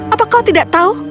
apa kau tidak tahu